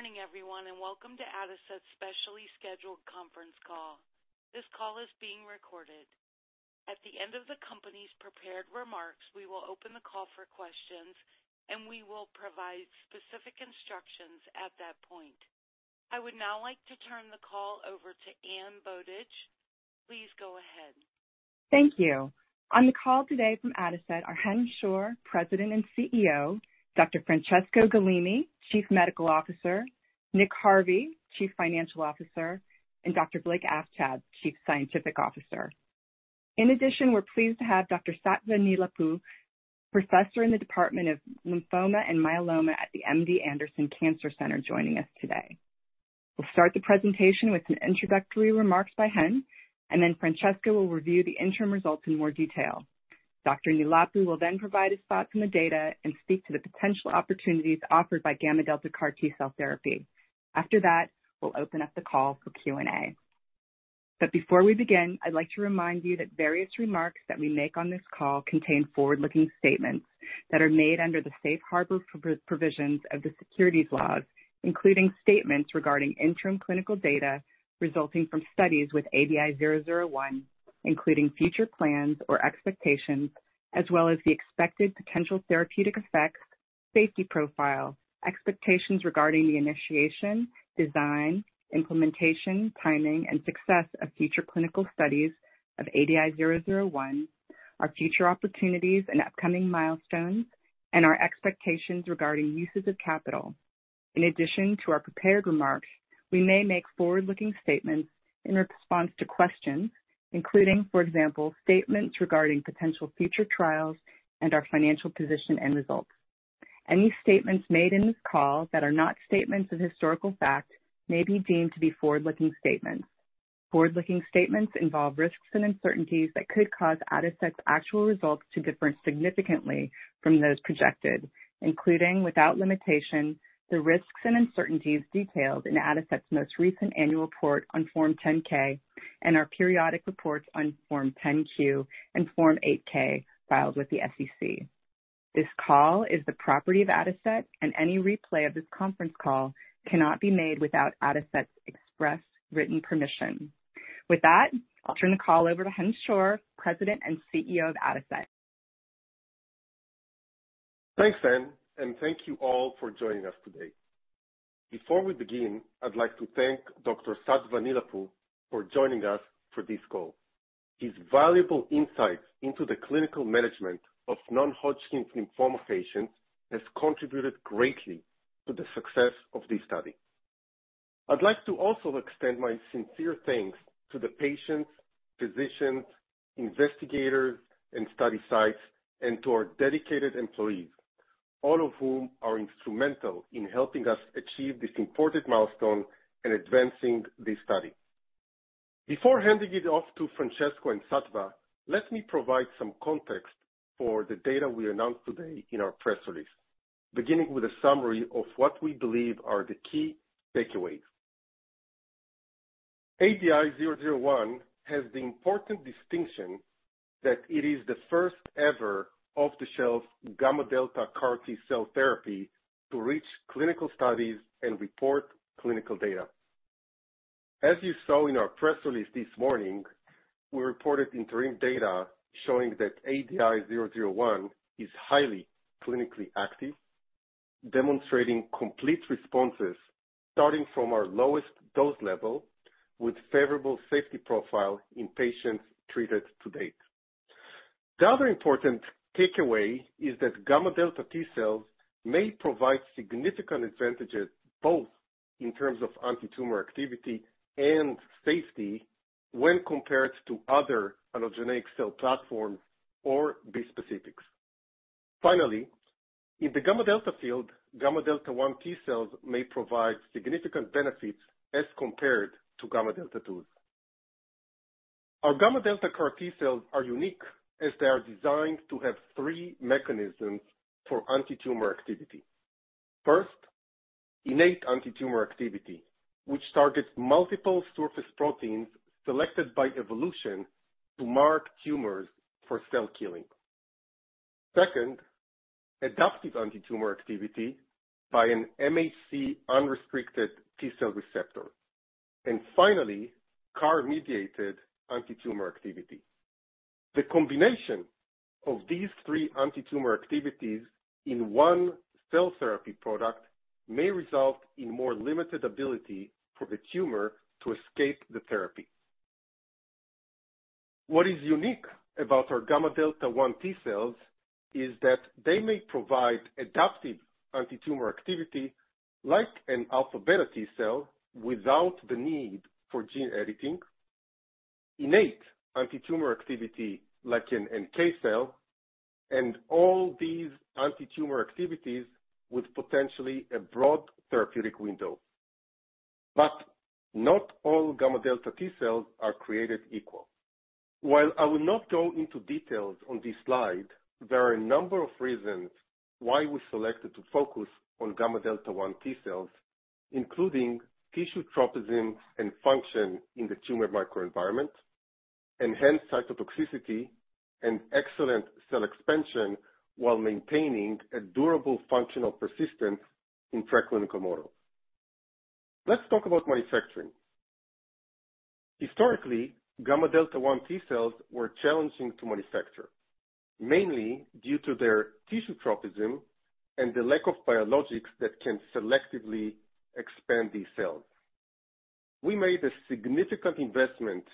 Good morning, everyone, and welcome to Adicet's specially scheduled conference call. This call is being recorded. At the end of the company's prepared remarks, we will open the call for questions, and we will provide specific instructions at that point. I would now like to turn the call over to Anne Bowdidge. Please go ahead. Thank you. On the call today from Adicet are Chen Schor, President and CEO, Dr. Francesco Galimi, Chief Medical Officer, Nick Harvey, Chief Financial Officer, and Dr. Blake Aftab, Chief Scientific Officer. In addition, we're pleased to have Dr. Sattva Neelapu, Professor in the Department of Lymphoma and Myeloma at the MD Anderson Cancer Center, joining us today. We'll start the presentation with some introductory remarks by Chen, and then Francesco will review the interim results in more detail. Dr. Neelapu will then provide his thoughts on the data and speak to the potential opportunities offered by gamma delta CAR T cell therapy. After that, we'll open up the call for Q&A. Before we begin, I'd like to remind you that various remarks that we make on this call contain forward-looking statements that are made under the safe harbor provisions of the securities laws, including statements regarding interim clinical data resulting from studies with ADI-001, including future plans or expectations, as well as the expected potential therapeutic effects, safety profile, expectations regarding the initiation, design, implementation, timing, and success of future clinical studies of ADI-001, our future opportunities and upcoming milestones, and our expectations regarding uses of capital. In addition to our prepared remarks, we may make forward-looking statements in response to questions including, for example, statements regarding potential future trials and our financial position and results. Any statements made in this call that are not statements of historical fact may be deemed to be forward-looking statements. Forward-looking statements involve risks and uncertainties that could cause Adicet's actual results to differ significantly from those projected, including without limitation, the risks and uncertainties detailed in Adicet's most recent annual report on Form 10-K and our periodic reports on Form 10-Q and Form 8-K filed with the SEC. This call is the property of Adicet, and any replay of this conference call cannot be made without Adicet's express written permission. With that, I'll turn the call over to Chen Schor, President and CEO of Adicet. Thanks, Anne, and thank you all for joining us today. Before we begin, I'd like to thank Dr. Sattva Neelapu for joining us for this call. His valuable insights into the clinical management of non-Hodgkin lymphoma patients has contributed greatly to the success of this study. I'd like to also extend my sincere thanks to the patients, physicians, investigators, and study sites, and to our dedicated employees, all of whom are instrumental in helping us achieve this important milestone in advancing this study. Before handing it off to Francesco and Sattva, let me provide some context for the data we announced today in our press release, beginning with a summary of what we believe are the key takeaways. ADI-001 has the important distinction that it is the first ever off-the-shelf gamma delta CAR T cell therapy to reach clinical studies and report clinical data. As you saw in our press release this morning, we reported interim data showing that ADI-001 is highly clinically active, demonstrating complete responses starting from our lowest dose level with favorable safety profile in patients treated to date. The other important takeaway is that gamma delta T cells may provide significant advantages both in terms of antitumor activity and safety when compared to other allogeneic cell platforms or bispecifics. Finally, in the gamma delta field, gamma delta 1 T cells may provide significant benefits as compared to gamma delta 2s. Our gamma delta CAR T cells are unique as they are designed to have three mechanisms for antitumor activity. First, innate antitumor activity, which targets multiple surface proteins selected by evolution to mark tumors for cell killing. Second, adaptive antitumor activity by an MHC unrestricted T cell receptor. Finally, CAR-mediated antitumor activity. The combination of these three antitumor activities in one cell therapy product may result in more limited ability for the tumor to escape the therapy. What is unique about our gamma delta 1 T cells is that they may provide adaptive antitumor activity like an alpha beta T cell without the need for gene editing, innate antitumor activity like an NK cell, and all these antitumor activities with potentially a broad therapeutic window. Not all gamma delta T cells are created equal. While I will not go into details on this slide, there are a number of reasons why we selected to focus on gamma delta 1 T cells, including tissue tropism and function in the tumor microenvironment. Enhance cytotoxicity and excellent cell expansion while maintaining a durable functional persistence in preclinical models. Let's talk about manufacturing. Historically, gamma delta 1 T cells were challenging to manufacture, mainly due to their tissue tropism and the lack of biologics that can selectively expand these cells. We made a significant investment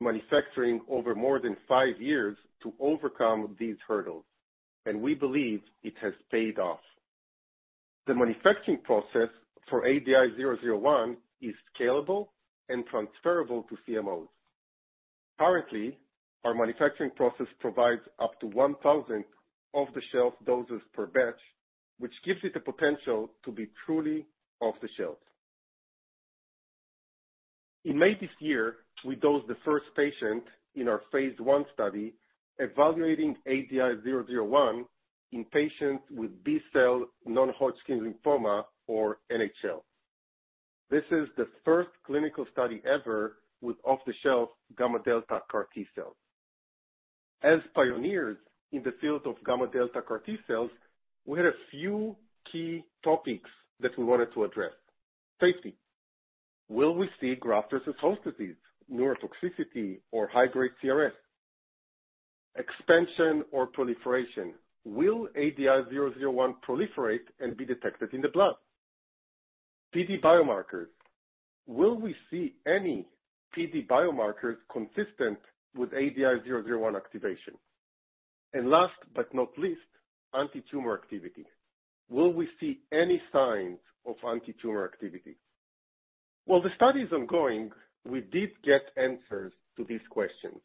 manufacturing over more than 5 years to overcome these hurdles, and we believe it has paid off. The manufacturing process for ADI-001 is scalable and transferable to CMOs. Currently, our manufacturing process provides up to 1,000 off-the-shelf doses per batch, which gives it the potential to be truly off the shelf. In May this year, we dosed the first patient in our phase I study evaluating ADI-001 in patients with B-cell non-Hodgkin lymphoma or NHL. This is the first clinical study ever with off-the-shelf gamma delta CAR T cells. As pioneers in the field of gamma delta CAR T cells, we had a few key topics that we wanted to address. Safety. Will we see graft-versus-host disease, neurotoxicity or high-grade CRS? Expansion or proliferation. Will ADI-001 proliferate and be detected in the blood? PD biomarkers. Will we see any PD biomarkers consistent with ADI-001 activation? Last but not least, antitumor activity. Will we see any signs of antitumor activity? While the study is ongoing, we did get answers to these questions,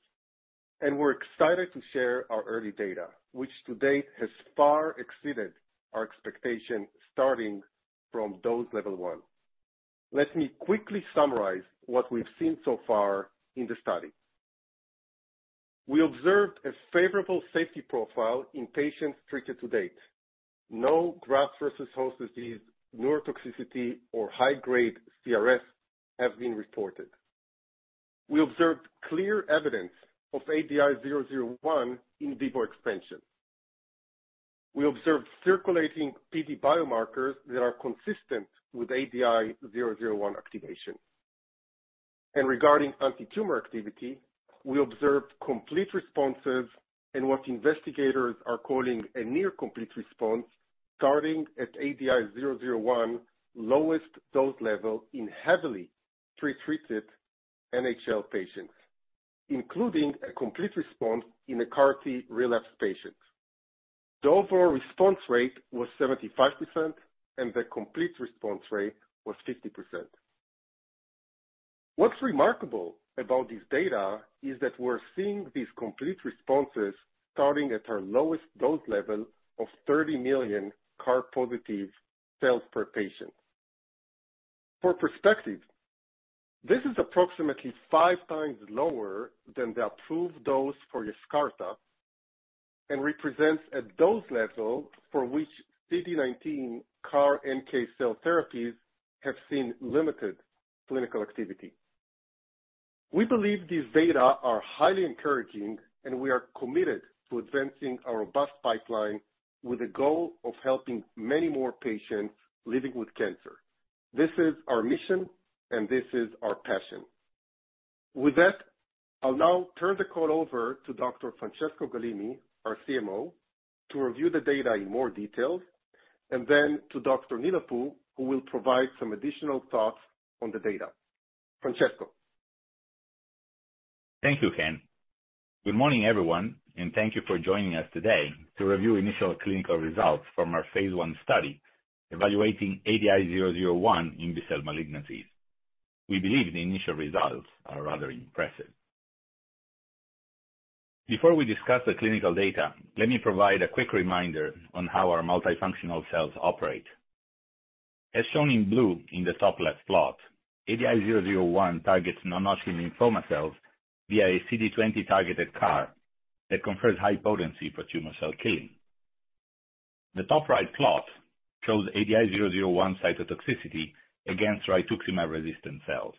and we're excited to share our early data, which to date has far exceeded our expectation starting from dose level one. Let me quickly summarize what we've seen so far in the study. We observed a favorable safety profile in patients treated to date. No graft-versus-host disease, neurotoxicity, or high-grade CRS have been reported. We observed clear evidence of ADI-001 in vivo expansion. We observed circulating PD biomarkers that are consistent with ADI-001 activation. Regarding antitumor activity, we observed complete responses in what investigators are calling a near complete response, starting at ADI-001 lowest dose level in heavily pre-treated NHL patients, including a complete response in a CAR T relapse patient. The overall response rate was 75% and the complete response rate was 50%. What's remarkable about this data is that we're seeing these complete responses starting at our lowest dose level of 30 million CAR-positive cells per patient. For perspective, this is approximately 5x lower than the approved dose for Yescarta and represents a dose level for which CD19 CAR-NK cell therapies have seen limited clinical activity. We believe these data are highly encouraging and we are committed to advancing our robust pipeline with the goal of helping many more patients living with cancer. This is our mission and this is our passion. With that, I'll now turn the call over to Dr. Francesco Galimi, our CMO, to review the data in more detail, and then to Dr. Neelapu, who will provide some additional thoughts on the data. Francesco. Thank you, Chen. Good morning, everyone, and thank you for joining us today to review initial clinical results from our phase I study evaluating ADI-001 in B-cell malignancies. We believe the initial results are rather impressive. Before we discuss the clinical data, let me provide a quick reminder on how our multifunctional cells operate. As shown in blue in the top left plot, ADI-001 targets non-Hodgkin lymphoma cells via a CD20-targeted CAR that confers high potency for tumor cell killing. The top right plot shows ADI-001 cytotoxicity against rituximab-resistant cells.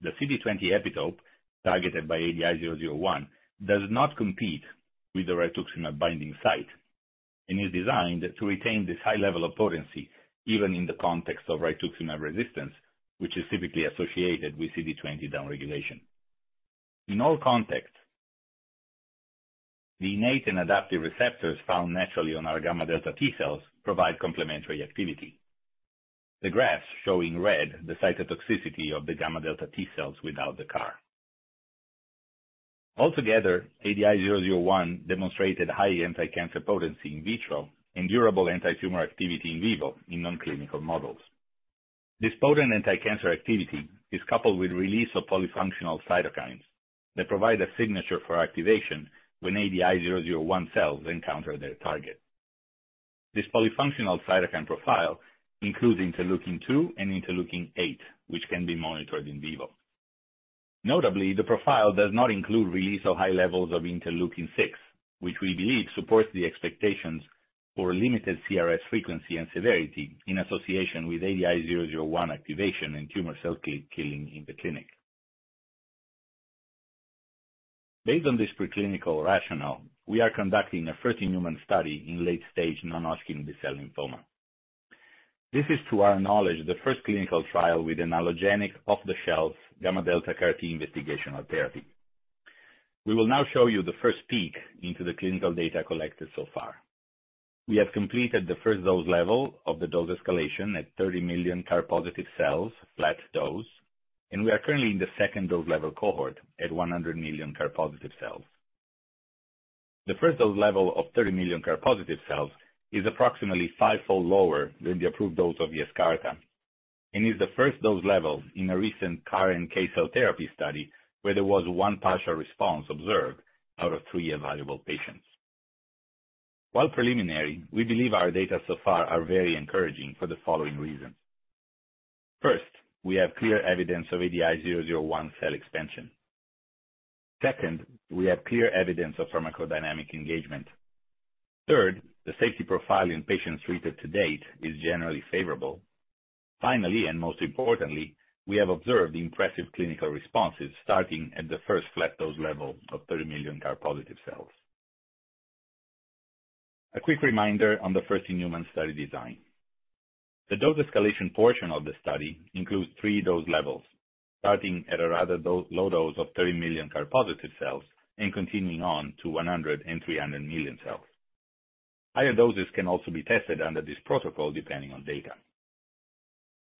The CD20 epitope targeted by ADI-001 does not compete with the rituximab binding site and is designed to retain this high level of potency even in the context of rituximab resistance, which is typically associated with CD20 downregulation. In all contexts, the innate and adaptive receptors found naturally on our gamma delta T cells provide complementary activity. The graphs showing red, the cytotoxicity of the gamma delta T cells without the CAR. Altogether, ADI-001 demonstrated high anticancer potency in vitro and durable antitumor activity in vivo in non-clinical models. This potent anticancer activity is coupled with release of polyfunctional cytokines that provide a signature for activation when ADI-001 cells encounter their target. This polyfunctional cytokine profile includes interleukin two and interleukin eight, which can be monitored in vivo. Notably, the profile does not include release of high levels of interleukin six, which we believe supports the expectations for limited CRS frequency and severity in association with ADI-001 activation and tumor cell killing in the clinic. Based on this preclinical rationale, we are conducting a first-in-human study in late-stage non-Hodgkin B-cell lymphoma. This is, to our knowledge, the first clinical trial with an allogeneic off-the-shelf gamma delta CAR T investigational therapy. We will now show you the first peek into the clinical data collected so far. We have completed the first dose level of the dose escalation at 30 million CAR positive cells, flat dose, and we are currently in the second dose level cohort at 100 million CAR positive cells. The first dose level of 30 million CAR positive cells is approximately fivefold lower than the approved dose of Yescarta, and is the first dose level in a recent CAR NK cell therapy study where there was 1 partial response observed out of 3 evaluable patients. While preliminary, we believe our data so far are very encouraging for the following reasons. First, we have clear evidence of ADI-001 cell expansion. Second, we have clear evidence of pharmacodynamic engagement. Third, the safety profile in patients treated to date is generally favorable. Finally, and most importantly, we have observed impressive clinical responses starting at the first flat dose level of 30 million CAR positive cells. A quick reminder on the first-in-human study design. The dose escalation portion of the study includes three dose levels, starting at a rather low dose of 30 million CAR positive cells and continuing on to 100 and 300 million cells. Higher doses can also be tested under this protocol, depending on data.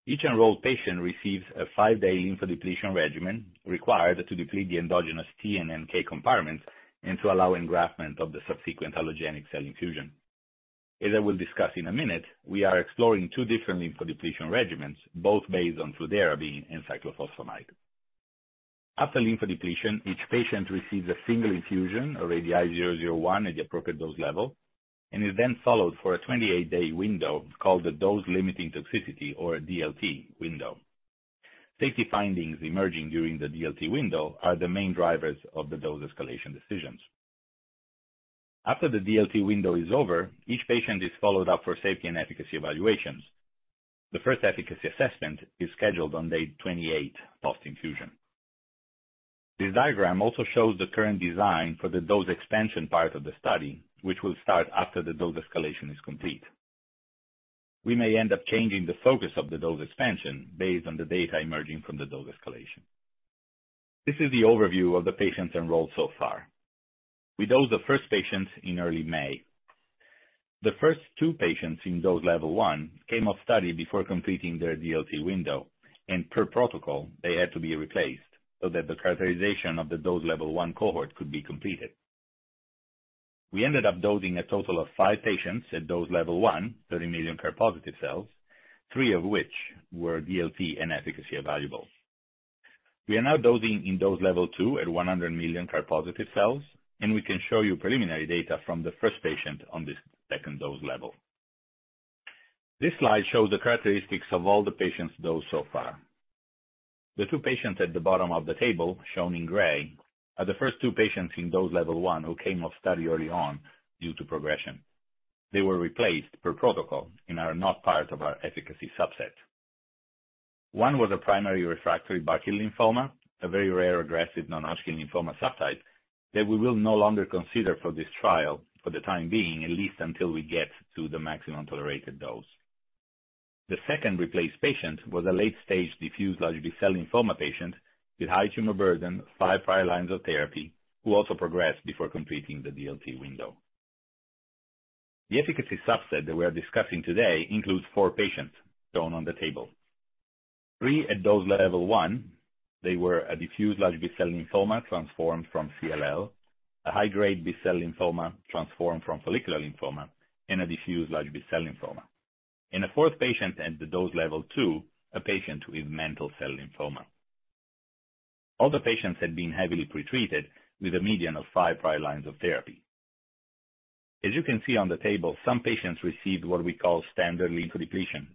Each enrolled patient receives a five-day lymphodepletion regimen required to deplete the endogenous T and NK compartments and to allow engraftment of the subsequent allogeneic cell infusion. As I will discuss in a minute, we are exploring two different lymphodepletion regimens, both based on fludarabine and cyclophosphamide. After lymphodepletion, each patient receives a single infusion of ADI-001 at the appropriate dose level and is then followed for a 28-day window called the dose limiting toxicity, or DLT window. Safety findings emerging during the DLT window are the main drivers of the dose escalation decisions. After the DLT window is over, each patient is followed up for safety and efficacy evaluations. The first efficacy assessment is scheduled on day 28, post-infusion. This diagram also shows the current design for the dose expansion part of the study, which will start after the dose escalation is complete. We may end up changing the focus of the dose expansion based on the data emerging from the dose escalation. This is the overview of the patients enrolled so far. We dosed the first patients in early May. The first two patients in dose level one came off study before completing their DLT window, and per protocol they had to be replaced so that the characterization of the dose level one cohort could be completed. We ended up dosing a total of five patients at dose level one, 30 million CAR positive cells, three of which were DLT and efficacy evaluable. We are now dosing in dose level two at 100 million CAR positive cells, and we can show you preliminary data from the first patient on this second dose level. This slide shows the characteristics of all the patients dosed so far. The two patients at the bottom of the table, shown in gray, are the first two patients in dose level one who came off study early on due to progression. They were replaced per protocol and are not part of our efficacy subset. One was a primary refractory Burkitt lymphoma, a very rare aggressive non-Hodgkin lymphoma subtype that we will no longer consider for this trial for the time being, at least until we get to the maximum tolerated dose. The second replacement patient was a late-stage diffuse large B-cell lymphoma patient with high tumor burden, five prior lines of therapy, who also progressed before completing the DLT window. The efficacy subset that we're discussing today includes four patients shown on the table, three at dose level one. They were a diffuse large B-cell lymphoma transformed from CLL, a high-grade B-cell lymphoma transformed from follicular lymphoma, and a diffuse large B-cell lymphoma. In the fourth patient at dose level two, a patient with mantle cell lymphoma. All the patients had been heavily pretreated with a median of five prior lines of therapy. As you can see on the table, some patients received what we call standard lymphodepletion,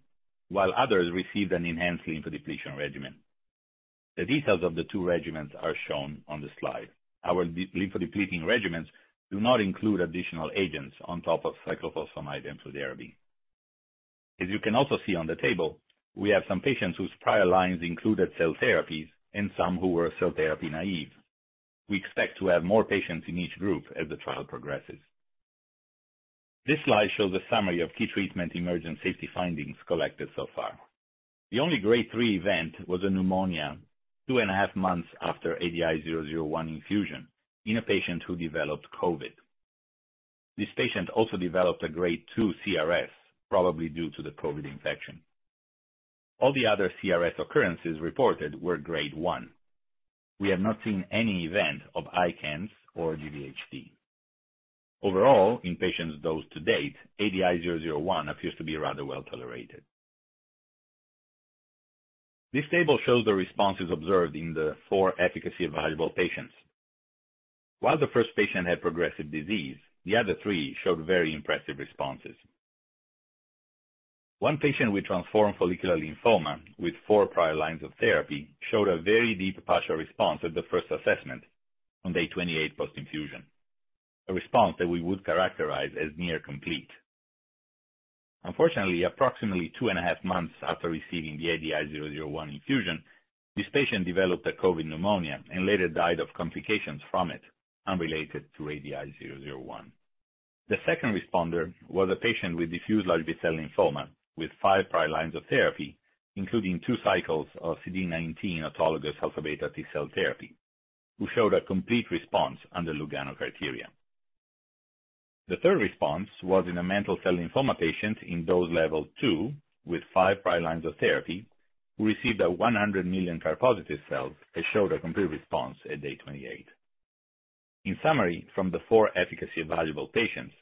while others received an enhanced lymphodepletion regimen. The details of the two regimens are shown on the slide. Our lymphodepleting regimens do not include additional agents on top of cyclophosphamide and fludarabine. As you can also see on the table, we have some patients whose prior lines included cell therapies and some who were cell therapy naïve. We expect to have more patients in each group as the trial progresses. This slide shows a summary of key treatment-emerging safety findings collected so far. The only grade three event was a pneumonia 2.5 months after ADI-001 infusion in a patient who developed COVID. This patient also developed a grade two CRS, probably due to the COVID infection. All the other CRS occurrences reported were grade one. We have not seen any event of ICANS or GvHD. Overall, in patients dosed to date, ADI-001 appears to be rather well-tolerated. This table shows the responses observed in the 4 efficacy-evaluable patients. While the first patient had progressive disease, the other three showed very impressive responses. One patient with transformed follicular lymphoma with 4 prior lines of therapy showed a very deep partial response at the first assessment on day 28 post-infusion. A response that we would characterize as near complete. Unfortunately, approximately 2.5 months after receiving the ADI-001 infusion, this patient developed a COVID pneumonia and later died of complications from it, unrelated to ADI-001. The second responder was a patient with diffuse large B-cell lymphoma with 5 prior lines of therapy, including 2 cycles of CD19 autologous alpha/beta T cell therapy, who showed a complete response on the Lugano criteria. The third response was in a mantle cell lymphoma patient in dose level 2 with 5 prior lines of therapy, who received 100 million CAR-positive cells and showed a complete response at day 28. In summary, from the 4 efficacy evaluable patients,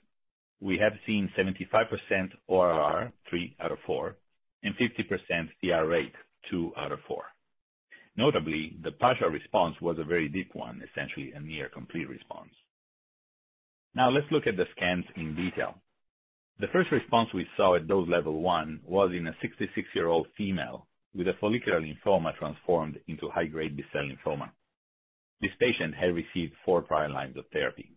we have seen 75% ORR, 3 out of 4, and 50% CR rate, 2 out of 4. Notably, the partial response was a very deep one, essentially a near complete response. Now let's look at the scans in detail. The first response we saw at dose level 1 was in a 66-year-old female with a follicular lymphoma transformed into high-grade B-cell lymphoma. This patient had received four prior lines of therapy.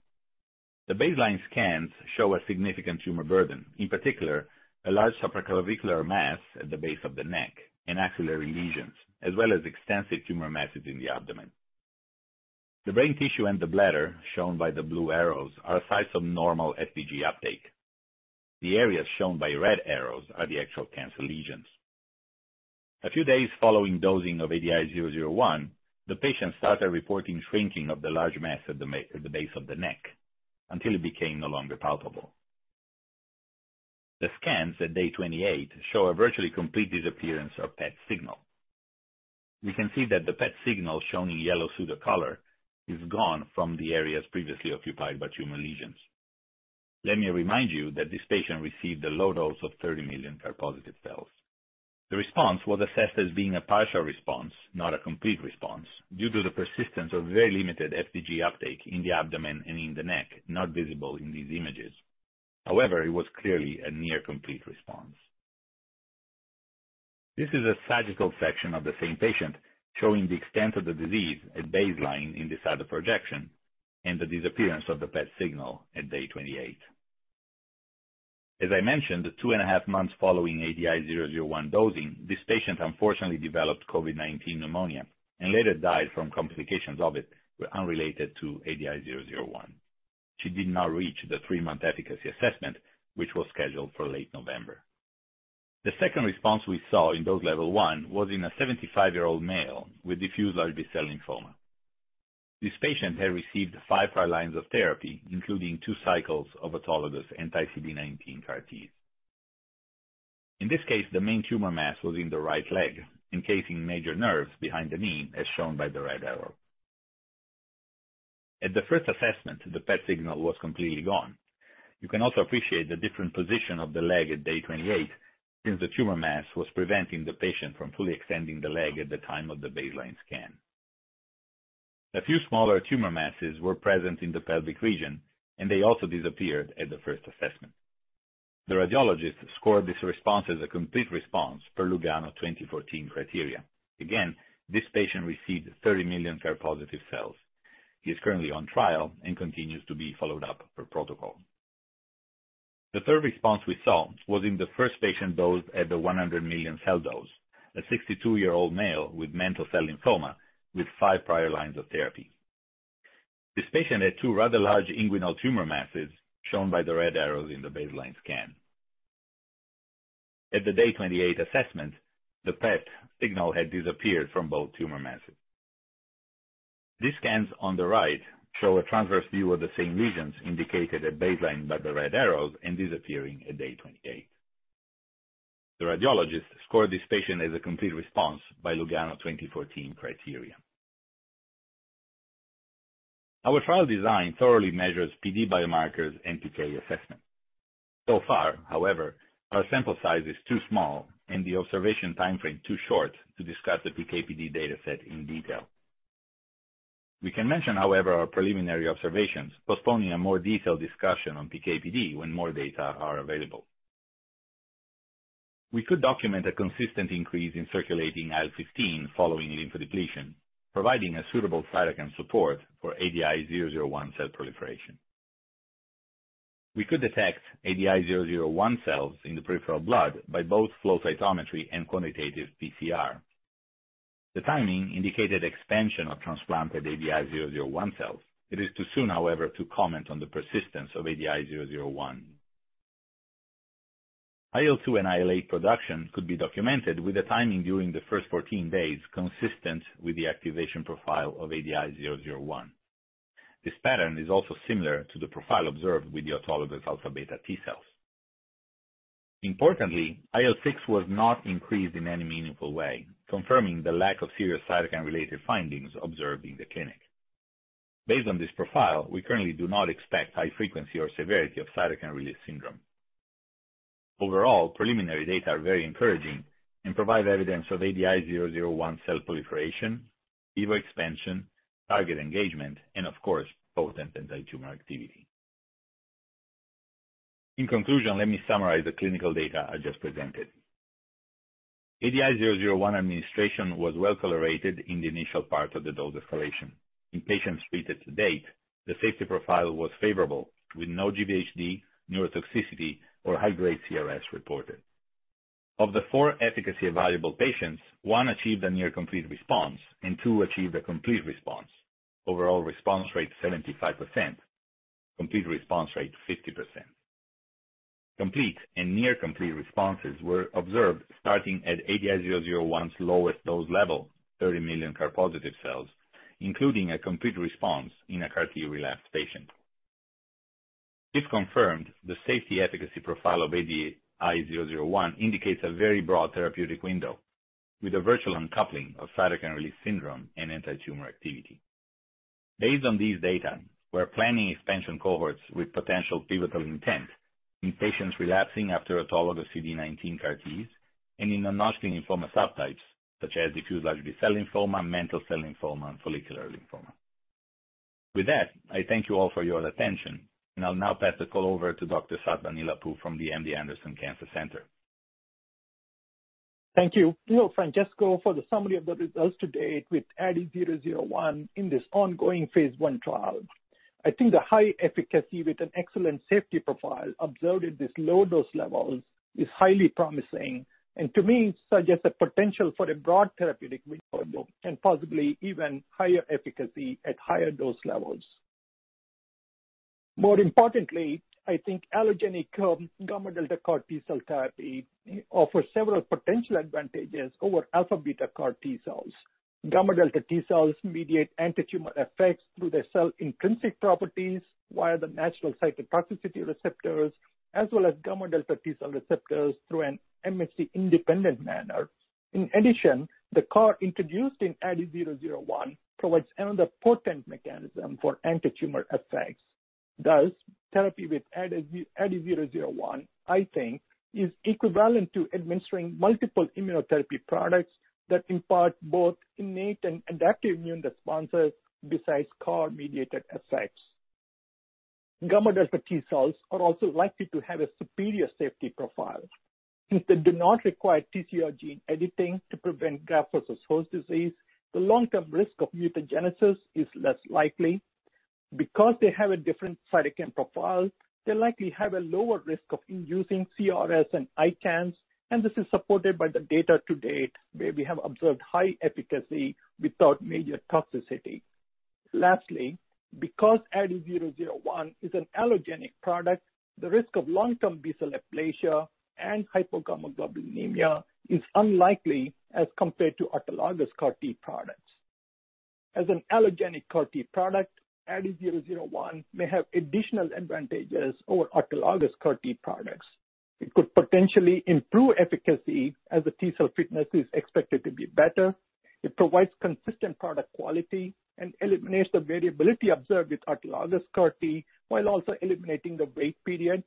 The baseline scans show a significant tumor burden, in particular, a large supraclavicular mass at the base of the neck and axillary lesions, as well as extensive tumor masses in the abdomen. The brain tissue and the bladder, shown by the blue arrows, are sites of normal FDG uptake. The areas shown by red arrows are the actual cancer lesions. A few days following dosing of ADI-001, the patient started reporting shrinking of the large mass at the base of the neck until it became no longer palpable. The scans at day 28 show a virtually complete disappearance of PET signal. We can see that the PET signal shown in yellow pseudocolor is gone from the areas previously occupied by tumor lesions. Let me remind you that this patient received a low dose of 30 million CAR-positive cells. The response was assessed as being a partial response, not a complete response, due to the persistence of very limited FDG uptake in the abdomen and in the neck, not visible in these images. However, it was clearly a near complete response. This is a sagittal section of the same patient, showing the extent of the disease at baseline in the side of projection and the disappearance of the PET signal at day 28. As I mentioned, two and a half months following ADI-001 dosing, this patient unfortunately developed COVID-19 pneumonia and later died from complications of it, but unrelated to ADI-001. She did not reach the 3-month efficacy assessment, which was scheduled for late November. The second response we saw in dose level one was in a 75-year-old male with diffuse large B-cell lymphoma. This patient had received five prior lines of therapy, including two cycles of autologous anti-CD19 CAR Ts. In this case, the main tumor mass was in the right leg, encasing major nerves behind the knee, as shown by the red arrow. At the first assessment, the PET signal was completely gone. You can also appreciate the different position of the leg at day 28, since the tumor mass was preventing the patient from fully extending the leg at the time of the baseline scan. A few smaller tumor masses were present in the pelvic region, and they also disappeared at the first assessment. The radiologist scored this response as a complete response per Lugano 2014 criteria. Again, this patient received 30 million CAR-positive cells. He is currently on trial and continues to be followed up per protocol. The third response we saw was in the first patient dosed at the 100 million cell dose, a 62-year-old male with mantle cell lymphoma with five prior lines of therapy. This patient had two rather large inguinal tumor masses shown by the red arrows in the baseline scan. At the day 28 assessment, the PET signal had disappeared from both tumor masses. These scans on the right show a transverse view of the same lesions indicated at baseline by the red arrows and disappearing at day 28. The radiologist scored this patient as a complete response by Lugano 2014 criteria. Our trial design thoroughly measures PD biomarkers and PK assessment. So far, however, our sample size is too small and the observation timeframe too short to discuss the PK/PD data set in detail. We can mention, however, our preliminary observations, postponing a more detailed discussion on PK/PD when more data are available. We could document a consistent increase in circulating IL-15 following lymphodepletion, providing a suitable cytokine support for ADI-001 cell proliferation. We could detect ADI-001 cells in the peripheral blood by both flow cytometry and quantitative PCR. The timing indicated expansion of transplanted ADI-001 cells. It is too soon, however, to comment on the persistence of ADI-001. IL-2 and IL-8 production could be documented with the timing during the first 14 days, consistent with the activation profile of ADI-001. This pattern is also similar to the profile observed with the autologous alpha beta T cells. Importantly, IL-6 was not increased in any meaningful way, confirming the lack of serious cytokine-related findings observed in the clinic. Based on this profile, we currently do not expect high frequency or severity of cytokine release syndrome. Overall, preliminary data are very encouraging and provide evidence of ADI-001 cell proliferation. In vivo expansion, target engagement, and of course, potent antitumor activity. In conclusion, let me summarize the clinical data I just presented. ADI-001 administration was well-tolerated in the initial part of the dose escalation. In patients treated to date, the safety profile was favorable, with no GvHD, neurotoxicity, or high-grade CRS reported. Of the four efficacy evaluable patients, one achieved a near complete response and two achieved a complete response. Overall response rate 75%, complete response rate 50%. Complete and near complete responses were observed starting at ADI-001's lowest dose level, 30 million CAR-positive cells, including a complete response in a CAR-T relapsed patient. If confirmed, the safety efficacy profile of ADI-001 indicates a very broad therapeutic window with a virtual uncoupling of cytokine release syndrome and antitumor activity. Based on these data, we're planning expansion cohorts with potential pivotal intent in patients relapsing after autologous CD19 CAR-Ts and in non-Hodgkin lymphoma subtypes such as diffuse large B-cell lymphoma, mantle cell lymphoma, and follicular lymphoma. With that, I thank you all for your attention, and I'll now pass the call over to Dr. Sattva Neelapu from the MD Anderson Cancer Center. Thank you, Francesco, for the summary of the results to date with ADI-001 in this ongoing phase I trial. I think the high efficacy with an excellent safety profile observed at this low dose level is highly promising and to me suggests a potential for a broad therapeutic window and possibly even higher efficacy at higher dose levels. More importantly, I think allogeneic gamma delta CAR T-cell therapy offers several potential advantages over alpha beta CAR T-cells. Gamma delta T-cells mediate antitumor effects through their cell-intrinsic properties via the natural cytotoxicity receptors as well as gamma delta T-cell receptors through an MHC-independent manner. In addition, the CAR introduced in ADI-001 provides another potent mechanism for antitumor effects. Thus, therapy with ADI-001, I think, is equivalent to administering multiple immunotherapy products that impart both innate and adaptive immune responses besides CAR-mediated effects. Gamma delta T cells are also likely to have a superior safety profile. Since they do not require TCR gene editing to prevent graft-versus-host disease, the long-term risk of mutagenesis is less likely. Because they have a different cytokine profile, they likely have a lower risk of inducing CRS and ICANS, and this is supported by the data to date, where we have observed high efficacy without major toxicity. Lastly, because ADI-001 is an allogeneic product, the risk of long-term B-cell aplasia and hypogammaglobulinemia is unlikely as compared to autologous CAR T products. As an allogeneic CAR T product, ADI-001 may have additional advantages over autologous CAR T products. It could potentially improve efficacy as the T cell fitness is expected to be better. It provides consistent product quality and eliminates the variability observed with autologous CAR T while also eliminating the wait period.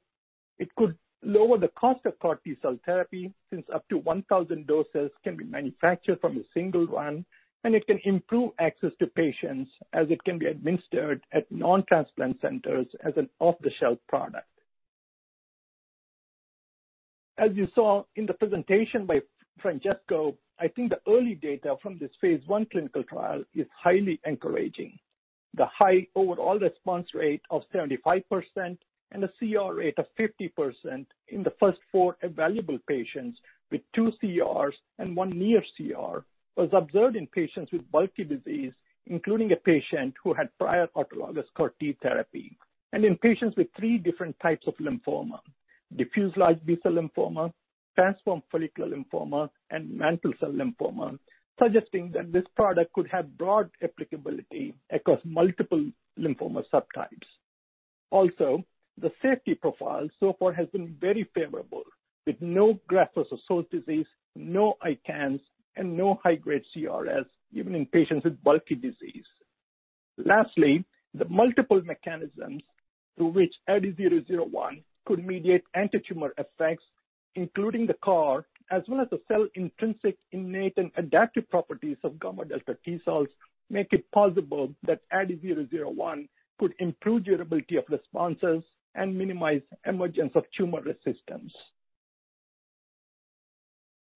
It could lower the cost of CAR T-cell therapy since up to 1,000 doses can be manufactured from a single run, and it can improve access to patients as it can be administered at non-transplant centers as an off-the-shelf product. As you saw in the presentation by Francesco, I think the early data from this phase I clinical trial is highly encouraging. The high overall response rate of 75% and a CR rate of 50% in the first 4 evaluable patients with 2 CRs and 1 near CR was observed in patients with bulky disease, including a patient who had prior autologous CAR T therapy, and in patients with 3 different types of lymphoma, diffuse large B-cell lymphoma, transformed follicular lymphoma, and mantle cell lymphoma, suggesting that this product could have broad applicability across multiple lymphoma subtypes. The safety profile so far has been very favorable, with no graft-versus-host disease, no ICANS, and no high-grade CRS, even in patients with bulky disease. Lastly, the multiple mechanisms through which ADI-001 could mediate antitumor effects, including the CAR, as well as the cell-intrinsic innate and adaptive properties of gamma delta T cells, make it possible that ADI-001 could improve durability of responses and minimize emergence of tumor resistance.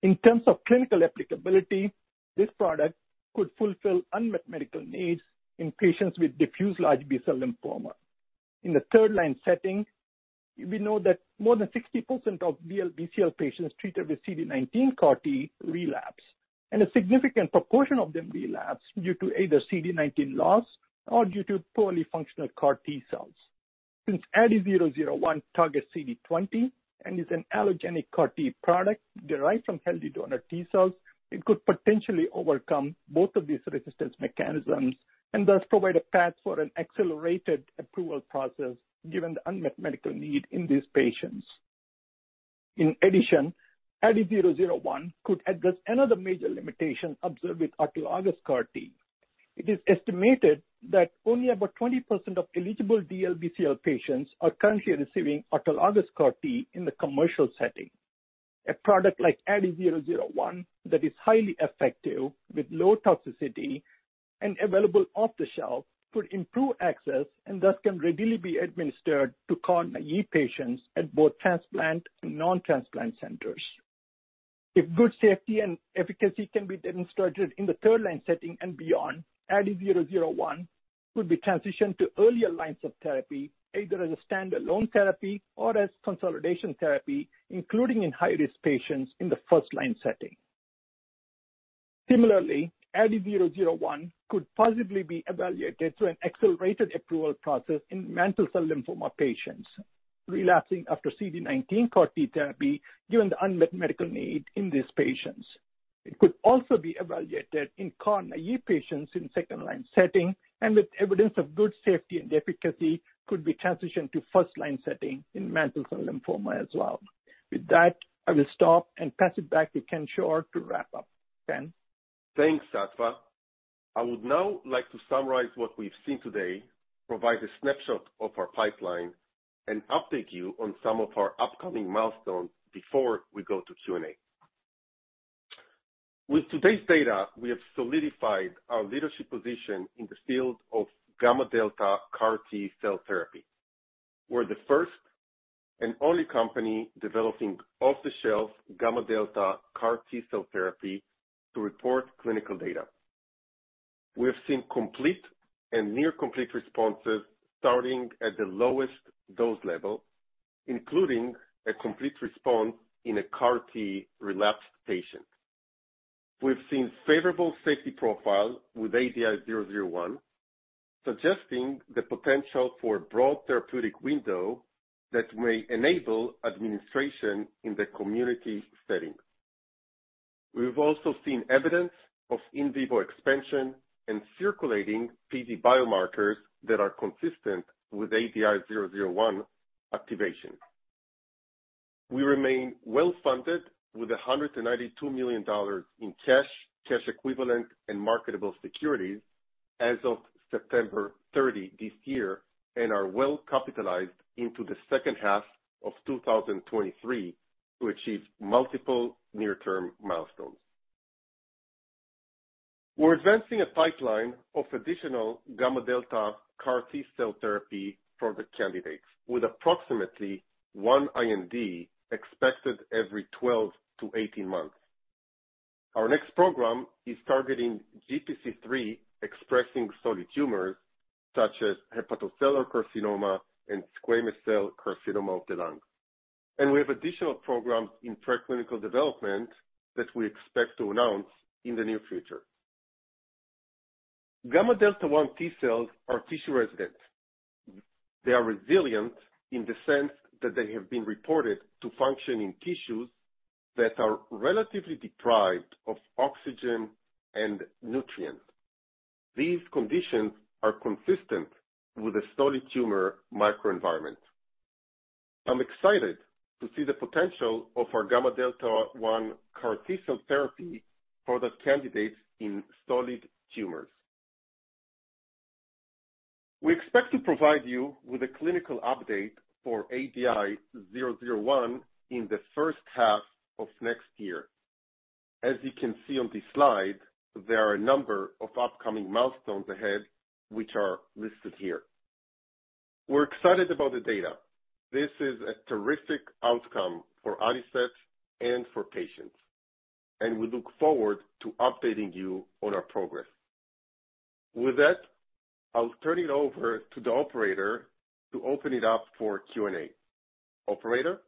In terms of clinical applicability, this product could fulfill unmet medical needs in patients with diffuse large B-cell lymphoma. In the third-line setting, we know that more than 60% of DLBCL patients treated with CD19 CAR T relapse, and a significant proportion of them relapse due to either CD19 loss or due to poorly functional CAR T cells. Since ADI-001 targets CD20 and is an allogeneic CAR T product derived from healthy donor T cells, it could potentially overcome both of these resistance mechanisms and thus provide a path for an accelerated approval process given the unmet medical need in these patients. In addition, ADI-001 could address another major limitation observed with autologous CAR T. It is estimated that only about 20% of eligible DLBCL patients are currently receiving autologous CAR T in the commercial setting. A product like ADI-001 that is highly effective with low toxicity and available off the shelf could improve access, and thus can readily be administered to CAR naïve patients at both transplant and non-transplant centers. If good safety and efficacy can be demonstrated in the third line setting and beyond, ADI-001 could be transitioned to earlier lines of therapy, either as a standalone therapy or as consolidation therapy, including in high-risk patients in the first line setting. Similarly, ADI-001 could possibly be evaluated through an accelerated approval process in mantle cell lymphoma patients relapsing after CD19 CAR T therapy given the unmet medical need in these patients. It could also be evaluated in CAR naïve patients in second line setting, and with evidence of good safety and efficacy, could be transitioned to first line setting in mantle cell lymphoma as well. With that, I will stop and pass it back to Chen Schor to wrap up. Chen? Thanks, Sattva. I would now like to summarize what we've seen today, provide a snapshot of our pipeline, and update you on some of our upcoming milestones before we go to Q&A. With today's data, we have solidified our leadership position in the field of gamma delta CAR T cell therapy. We're the first and only company developing off-the-shelf gamma delta CAR T cell therapy to report clinical data. We have seen complete and near complete responses starting at the lowest dose level, including a complete response in a CAR T relapsed patient. We've seen favorable safety profile with ADI-001, suggesting the potential for broad therapeutic window that may enable administration in the community setting. We've also seen evidence of in vivo expansion and circulating PD biomarkers that are consistent with ADI-001 activation. We remain well-funded with $192 million in cash equivalents, and marketable securities as of September 30, 2023 and are well capitalized into the second half of 2023 to achieve multiple near-term milestones. We're advancing a pipeline of additional gamma delta CAR T cell therapy product candidates with approximately one IND expected every 12-18 months. Our next program is targeting GPC3-expressing solid tumors such as hepatocellular carcinoma and squamous cell carcinoma of the lung. We have additional programs in preclinical development that we expect to announce in the near future. Gamma delta 1 T cells are tissue resident. They are resilient in the sense that they have been reported to function in tissues that are relatively deprived of oxygen and nutrients. These conditions are consistent with a solid tumor microenvironment. I'm excited to see the potential of our gamma delta 1 CAR T-cell therapy product candidates in solid tumors. We expect to provide you with a clinical update for ADI-001 in the first half of next year. As you can see on this slide, there are a number of upcoming milestones ahead which are listed here. We're excited about the data. This is a terrific outcome for Adicet and for patients, and we look forward to updating you on our progress. With that, I'll turn it over to the operator to open it up for Q&A. Operator?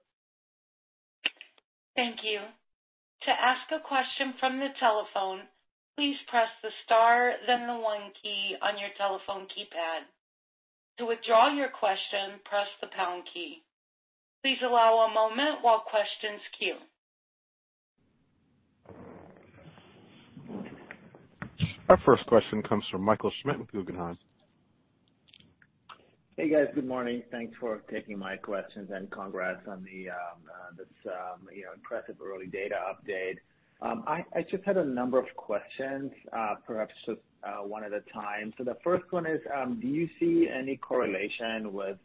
Thank you. To ask a question from the telephone, please press the star then the one key on your telephone keypad. To withdraw your question, press the pound key. Please allow a moment while questions queue. Our first question comes from Michael Schmidt with Guggenheim. Hey, guys. Good morning. Thanks for taking my questions and congrats on this you know impressive early data update. I just had a number of questions, perhaps just one at a time. The first one is, do you see any correlation with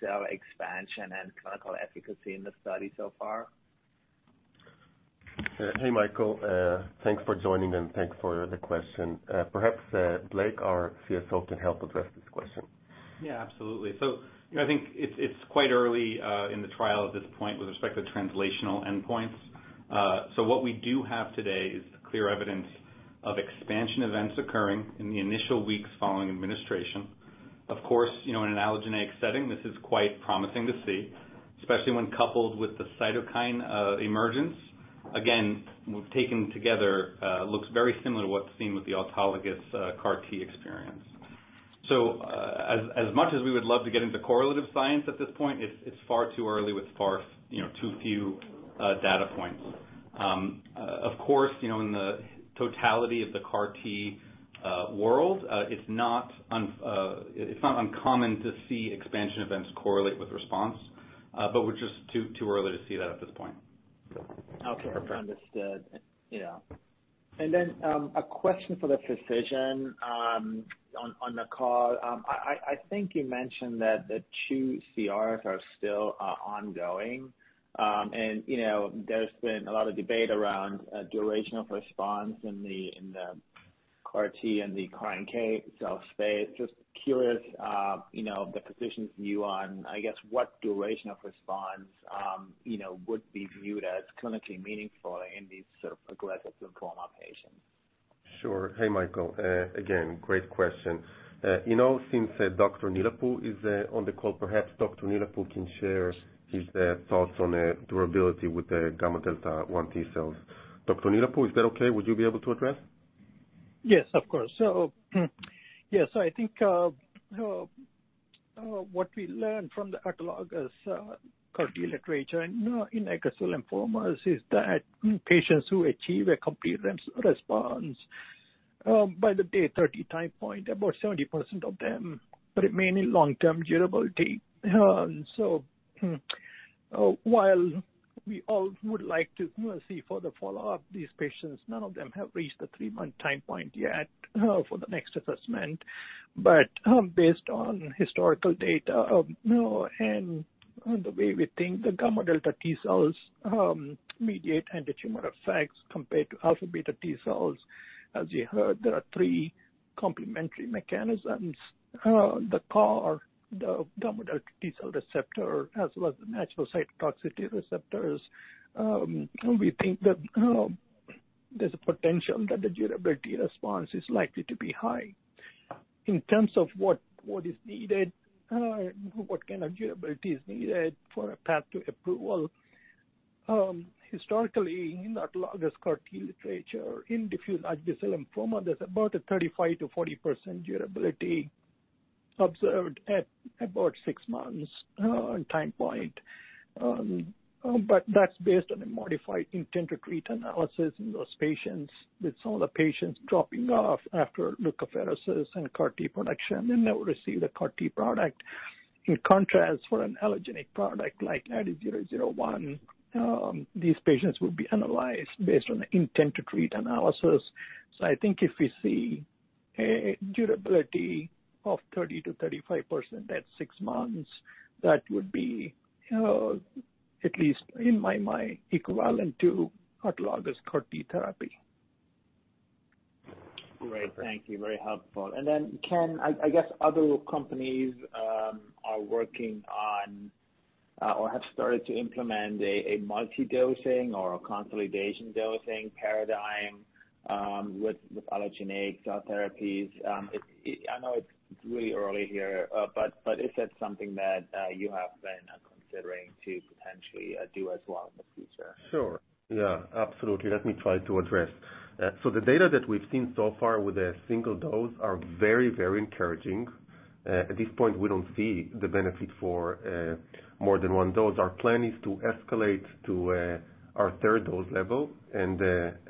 cell expansion and clinical efficacy in the study so far? Hey, Michael. Thanks for joining, and thanks for the question. Perhaps, Blake, our CSO, can help address this question. Yeah, absolutely. You know, I think it's quite early in the trial at this point with respect to translational endpoints. What we do have today is clear evidence of expansion events occurring in the initial weeks following administration. Of course, you know, in an allogeneic setting, this is quite promising to see, especially when coupled with the cytokine emergence. Again, when taken together, looks very similar to what's seen with the autologous CAR T experience. As much as we would love to get into correlative science at this point, it's far too early with far too few data points. Of course, you know, in the totality of the CAR T world, it's not uncommon to see expansion events correlate with response, but we're just too early to see that at this point. Okay. Understood. Yeah. A question for the physician on the call. I think you mentioned that the two CRs are still ongoing. You know, there's been a lot of debate around duration of response in the CAR T and the CAR NK cell space. Just curious, you know, the physician's view on, I guess, what duration of response would be viewed as clinically meaningful in these sort of aggressive lymphoma patients. Sure. Hey, Michael. Again, great question. You know, since Dr. Neelapu is on the call, perhaps Dr. Neelapu can share his thoughts on durability with the gamma delta 1 T cells. Dr. Neelapu, is that okay? Would you be able to address? Yes, of course. Yes, I think what we learned from the CAR T literature and in aggressive lymphomas is that patients who achieve a complete response by the day 30 time point, about 70% of them remain in long-term durability. While we all would like to see the follow-up for these patients, none of them have reached the 3-month time point yet for the next assessment. Based on historical data, you know, and the way we think the gamma delta T cells mediate anti-tumor effects compared to alpha beta T cells, as you heard, there are three complementary mechanisms. The CAR, the gamma delta T cell receptor, as well as the natural cytotoxicity receptors, we think that there's a potential that the durability response is likely to be high. In terms of what is needed, what kind of durability is needed for a path to approval, historically, in autologous CAR T literature, in diffuse large B-cell lymphoma, there's about a 35%-40% durability observed at about six months time point. That's based on a modified intent-to-treat analysis in those patients, with some of the patients dropping off after leukapheresis and CAR T production, and they will receive the CAR T product. In contrast, for an allogeneic product like ADI-001, these patients will be analyzed based on the intent-to-treat analysis. I think if we see a durability of 30%-35% at six months, that would be, at least in my mind, equivalent to autologous CAR T therapy. Great. Thank you. Very helpful. Then Chen, I guess other companies are working on or have started to implement a multi-dosing or a consolidation dosing paradigm with allogeneic cell therapies. I know it's really early here, but is that something that you have been considering to potentially do as well in the future? Sure. Yeah, absolutely. Let me try to address. The data that we've seen so far with a single dose are very, very encouraging. At this point, we don't see the benefit for more than one dose. Our plan is to escalate to our third dose level and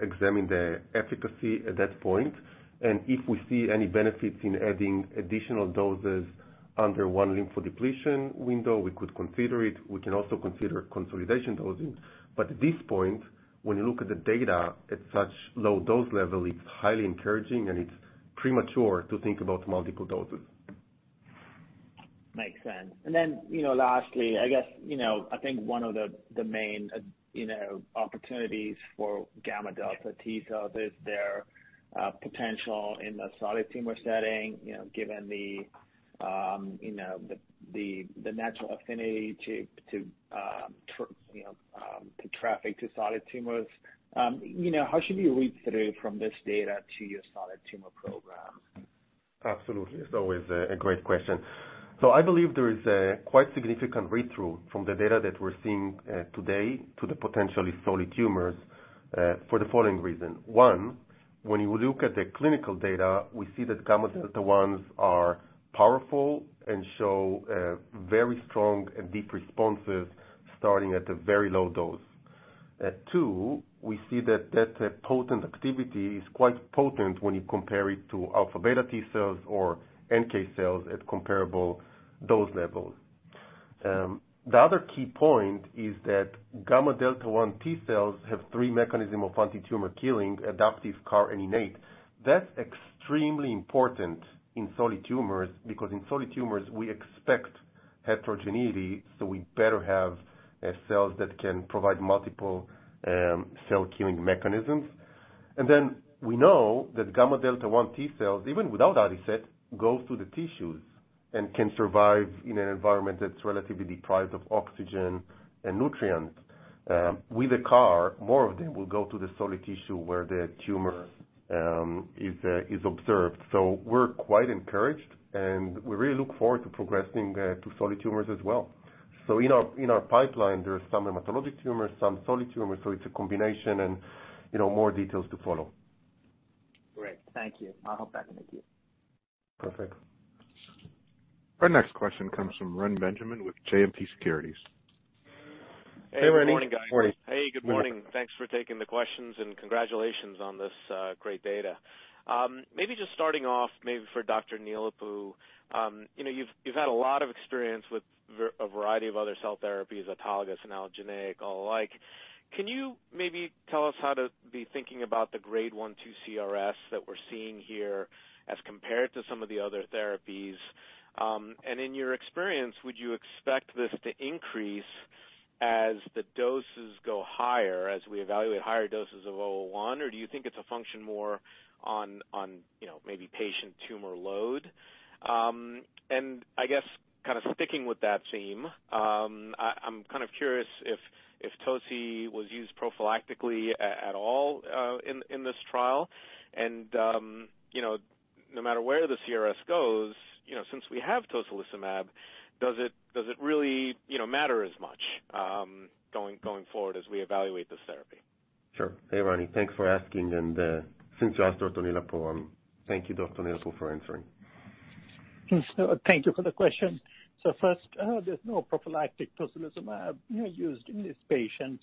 examine the efficacy at that point. If we see any benefits in adding additional doses under one lymphodepletion window, we could consider it. We can also consider consolidation dosing. At this point, when you look at the data at such low dose level, it's highly encouraging and it's premature to think about multiple doses. Makes sense. You know, lastly, I guess, you know, I think one of the main, you know, opportunities for gamma delta T cells is their potential in the solid tumor setting, you know, given the, you know, the natural affinity to, you know, to traffic to solid tumors. You know, how should we read through from this data to your solid tumor program? Absolutely. It's always a great question. I believe there is a quite significant read-through from the data that we're seeing today to the potentially solid tumors for the following reason. 1, when you look at the clinical data, we see that gamma delta 1s are powerful and show very strong and deep responses starting at a very low dose. 2, we see that that potent activity is quite potent when you compare it to alpha beta T cells or NK cells at comparable dose levels. The other key point is that gamma delta 1 T cells have 3 mechanisms of antitumor killing, adaptive, CAR, and innate. That's extremely important in solid tumors because in solid tumors, we expect heterogeneity, so we better have cells that can provide multiple cell killing mechanisms. We know that gamma delta 1 T cells, even without Adicet, go through the tissues and can survive in an environment that's relatively deprived of oxygen and nutrients. With the CAR, more of them will go to the solid tissue where the tumor is observed. We're quite encouraged, and we really look forward to progressing to solid tumors as well. In our pipeline, there's some hematologic tumors, some solid tumors, so it's a combination and, you know, more details to follow. Great. Thank you. I'll hop back to Nick here. Perfect. Our next question comes from Reni Benjamin with JMP Securities. Hey, Reni. Good morning, guys. Morning. Morning. Hey, good morning. Thanks for taking the questions and congratulations on this great data. Maybe just starting off for Dr. Neelapu. You know, you've had a lot of experience with a variety of other cell therapies, autologous and allogeneic, all the like. Can you maybe tell us how to be thinking about the grade 1-2 CRS that we're seeing here as compared to some of the other therapies? And in your experience, would you expect this to increase as the doses go higher, as we evaluate higher doses of ADI-001? Or do you think it's a function more on, you know, maybe patient tumor load? And I guess kind of sticking with that theme, I'm kind of curious if toci was used prophylactically at all in this trial. You know, no matter where the CRS goes, you know, since we have tocilizumab, does it really, you know, matter as much going forward as we evaluate this therapy? Sure. Hey, Reni. Thanks for asking. Since you asked Dr. Neelapu, thank you, Dr. Neelapu for answering. Thank you for the question. First, there's no prophylactic tocilizumab, you know, used in these patients.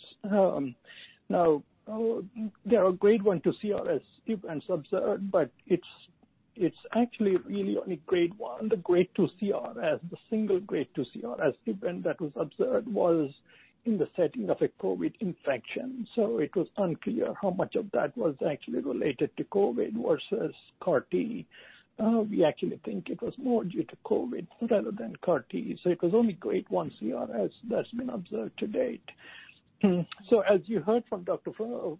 Now, there are grade 1, 2 CRS events observed, but it's actually really only grade 1. The grade 2 CRS, the single grade 2 CRS event that was observed was in the setting of a COVID infection, so it was unclear how much of that was actually related to COVID versus CAR T. We actually think it was more due to COVID rather than CAR T. It was only grade 1 CRS that's been observed to date. As you heard from Dr. Francesco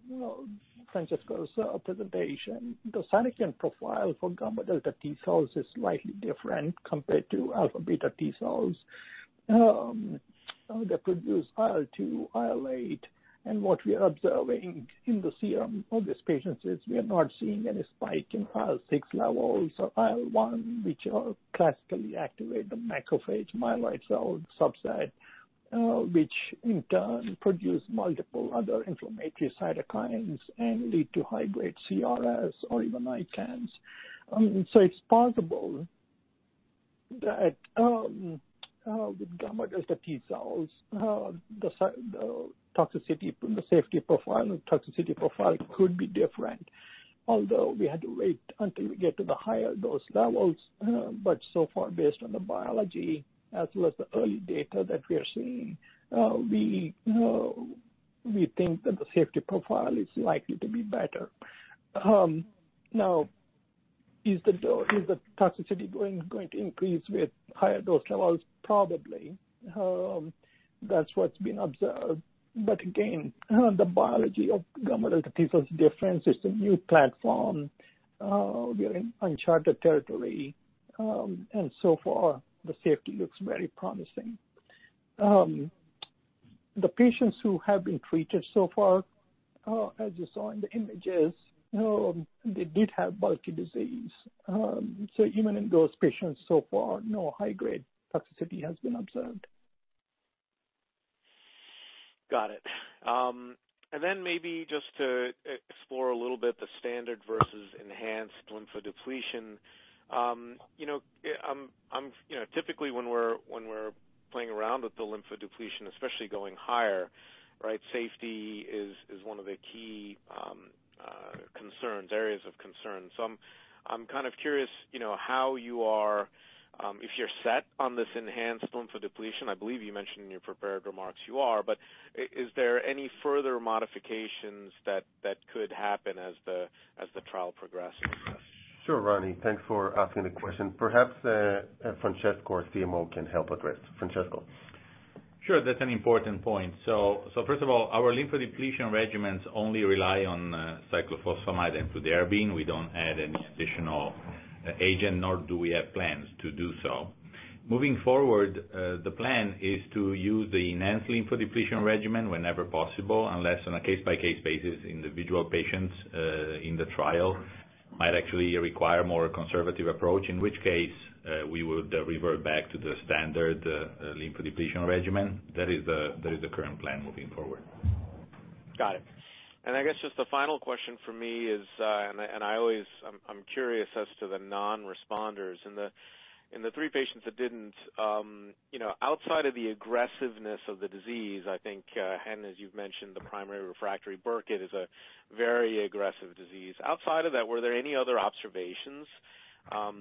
Galimi's presentation, the cytokine profile for gamma delta T cells is slightly different compared to alpha beta T cells that produce IL-2, IL-8. What we are observing in the serum of these patients is we are not seeing any spike in IL-6 levels or IL-1, which classically activate the macrophage myeloid cell subset, which in turn produce multiple other inflammatory cytokines and lead to high-grade CRS or even ICANS. It's possible that with gamma delta T cells, the toxicity, the safety profile and toxicity profile could be different. Although we had to wait until we get to the higher dose levels, but so far, based on the biology as well as the early data that we are seeing, we think that the safety profile is likely to be better. Now, is the toxicity going to increase with higher dose levels? Probably. That's what's been observed. Again, the biology of gamma delta T cells. The difference is a new platform. We are in uncharted territory. So far the safety looks very promising. The patients who have been treated so far, as you saw in the images, they did have bulky disease. Even in those patients, so far, no high grade toxicity has been observed. Got it. Maybe just to explore a little bit, the standard versus enhanced lymphodepletion. You know, I'm you know, typically when we're playing around with the lymphodepletion, especially going higher, right? Safety is one of the key concerns, areas of concern. I'm kind of curious, you know, how you are if you're set on this enhanced lymphodepletion. I believe you mentioned in your prepared remarks you are, but is there any further modifications that could happen as the trial progresses? Sure, Reni. Thanks for asking the question. Perhaps, Francesco, our CMO, can help address. Francesco. Sure. That's an important point. First of all, our lymphodepletion regimens only rely on cyclophosphamide and fludarabine. We don't add any additional agent, nor do we have plans to do so. Moving forward, the plan is to use the enhanced lymphodepletion regimen whenever possible, unless on a case-by-case basis, individual patients in the trial might actually require more conservative approach. In which case, we would revert back to the standard lymphodepletion regimen. That is the current plan moving forward. Got it. I guess just the final question from me is, I'm curious as to the non-responders. In the three patients that didn't you know, outside of the aggressiveness of the disease, I think, and as you've mentioned, the primary refractory Burkitt is a very aggressive disease. Outside of that, were there any other observations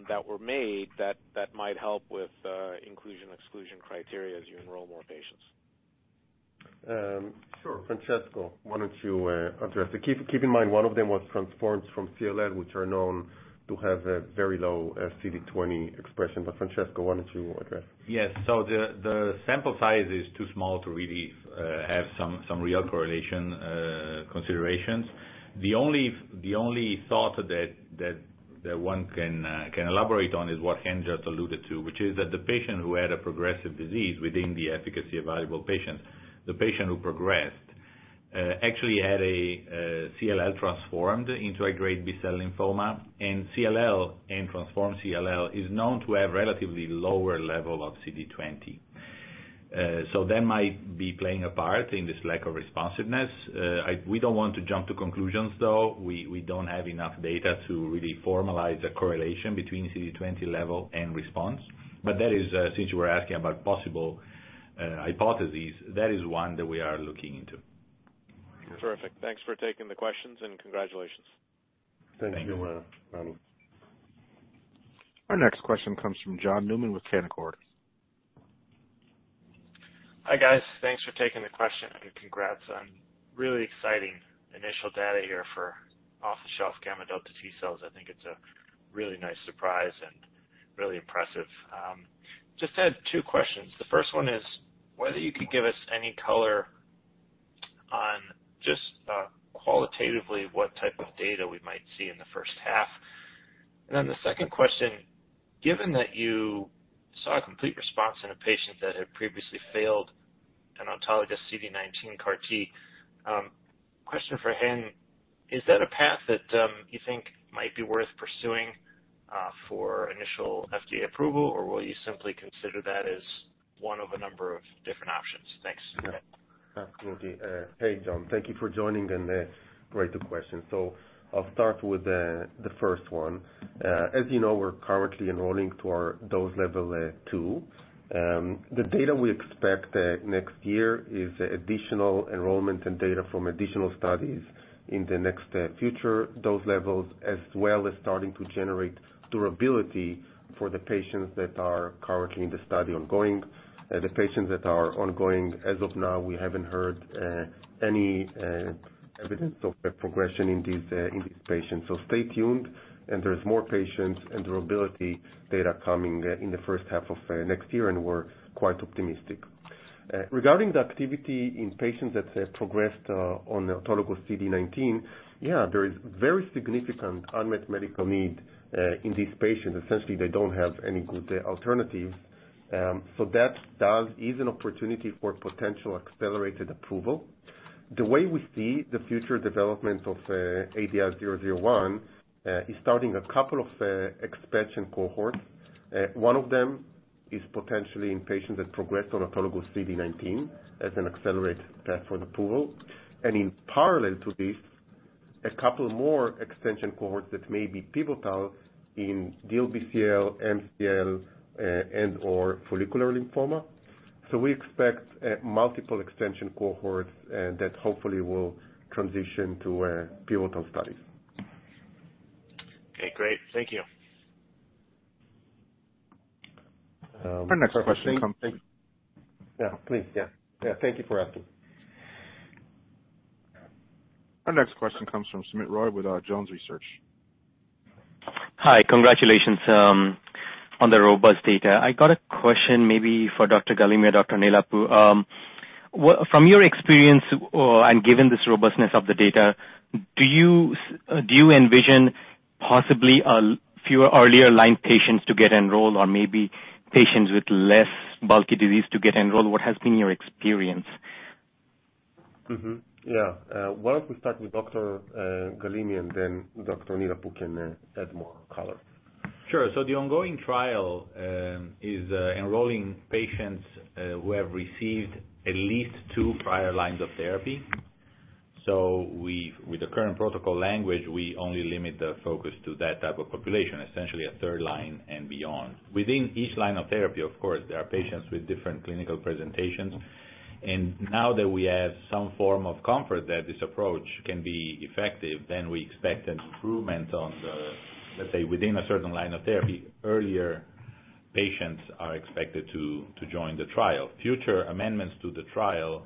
that were made that might help with inclusion, exclusion criteria as you enroll more patients? Sure. Francesco, why don't you address it? Keep in mind one of them was transformed from CLL, which are known to have a very low CD20 expression. Francesco, why don't you address? Yes. So the sample size is too small to really have some real correlation considerations. The only thought that one can elaborate on is what Chen just alluded to, which is that the patient who had a progressive disease within the efficacy evaluable patient, the patient who progressed, actually had a CLL transformed into a grade B-cell lymphoma. CLL and transformed CLL is known to have relatively lower level of CD20. So that might be playing a part in this lack of responsiveness. We don't want to jump to conclusions, though. We don't have enough data to really formalize a correlation between CD20 level and response. That is, since you are asking about possible hypotheses, that is one that we are looking into. Terrific. Thanks for taking the questions and congratulations. Thank you. Thank you. Our next question comes from John Newman with Canaccord Genuity. Hi, guys. Thanks for taking the question, and congrats on really exciting initial data here for off-the-shelf gamma delta T cells. I think it's a really nice surprise and really impressive. Just had two questions. The first one is whether you could give us any color on just qualitatively what type of data we might see in the first half. Then the second question, given that you saw a complete response in a patient that had previously failed an autologous CD19 CAR T, question for Chen, is that a path that you think might be worth pursuing for initial FDA approval? Or will you simply consider that as one of a number of different options? Thanks. Absolutely. Hey, John. Thank you for joining, and great questions. I'll start with the first one. As you know, we're currently enrolling to our dose level 2. The data we expect next year is additional enrollment and data from additional studies in the next future dose levels, as well as starting to generate durability for the patients that are currently in the study ongoing. The patients that are ongoing, as of now, we haven't heard any evidence of a progression in these patients. Stay tuned, and there's more patients and durability data coming in the first half of next year, and we're quite optimistic. Regarding the activity in patients that have progressed on autologous CD19, yeah, there is very significant unmet medical need in these patients. Essentially, they don't have any good alternatives. That opens opportunity for potential accelerated approval. The way we see the future development of ADI-001 is starting a couple of expansion cohorts. One of them is potentially in patients that progressed on autologous CD19 as an accelerated path for approval. In parallel to this, a couple more expansion cohorts that may be pivotal in DLBCL, MCL, and/or follicular lymphoma. We expect multiple expansion cohorts that hopefully will transition to pivotal studies. Okay, great. Thank you. Our next question comes. Yeah, please. Yeah. Yeah, thank you for asking. Our next question comes from Soumit Roy with Jones Trading. Hi. Congratulations on the robust data. I got a question maybe for Dr. Galimi or Dr. Neelapu. From your experience and given this robustness of the data, do you envision possibly fewer earlier line patients to get enrolled or maybe patients with less bulky disease to get enrolled? What has been your experience? Yeah. Why don't we start with Dr. Galimi and then Dr. Neelapu can add more color. Sure. The ongoing trial is enrolling patients who have received at least two prior lines of therapy. With the current protocol language, we only limit the focus to that type of population, essentially a third line and beyond. Within each line of therapy, of course, there are patients with different clinical presentations, and now that we have some form of comfort that this approach can be effective, then we expect an improvement on the, let's say, within a certain line of therapy, earlier patients are expected to join the trial. Future amendments to the trial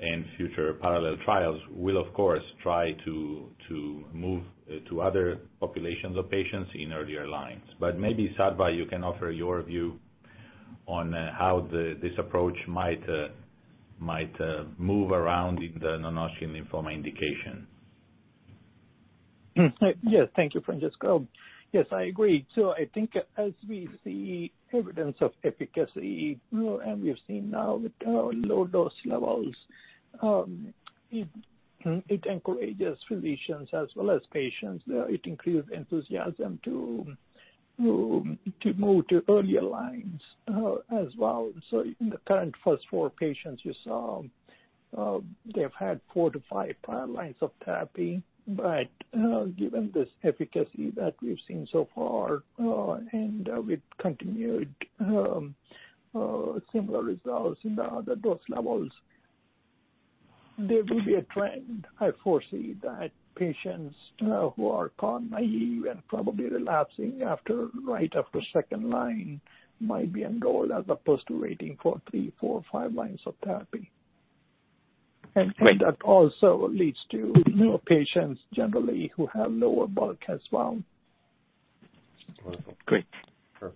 and future parallel trials will of course try to move to other populations of patients in earlier lines. Maybe, Sattva, you can offer your view on how this approach might move around in the non-Hodgkin lymphoma indication. Mm. Yes. Thank you, Francesco. Yes, I agree. I think as we see evidence of efficacy, and we've seen now with low dose levels, it instills enthusiasm to move to earlier lines, as well. In the current first 4 patients you saw, they've had 4-5 prior lines of therapy. Given this efficacy that we've seen so far, and we've continued similar results in the other dose levels, there will be a trend. I foresee that patients who are CAR-naive and probably relapsing right after second line might be enrolled as opposed to waiting for 3, 4, 5 lines of therapy. Great. that also leads to newer patients generally who have lower bulk as well. Wonderful. Great. Sure.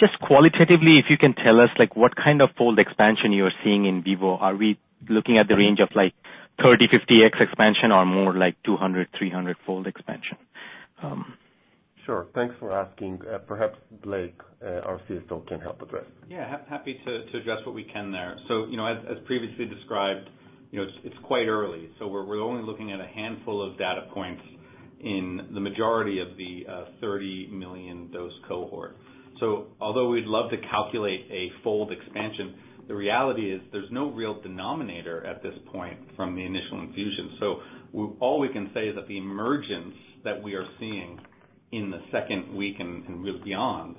Just qualitatively, if you can tell us, like, what kind of fold expansion you are seeing in vivo. Are we looking at the range of, like, 30, 50x expansion or more like 200, 300-fold expansion? Sure. Thanks for asking. Perhaps Blake, our CSO can help address. Happy to address what we can there. You know, as previously described, you know, it's quite early, so we're only looking at a handful of data points in the majority of the 30 million dose cohort. Although we'd love to calculate a fold expansion, the reality is there's no real denominator at this point from the initial infusion. All we can say is that the emergence that we are seeing in the second week and really beyond